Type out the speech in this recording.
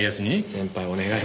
先輩お願い